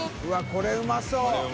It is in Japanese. これうまそう。